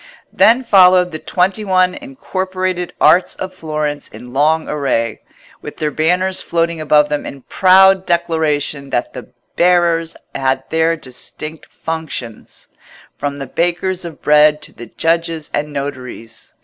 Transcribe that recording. Then followed the twenty one incorporated Arts of Florence in long array, with their banners floating above them in proud declaration that the bearers had their distinct functions, from the bakers of bread to the judges and notaries.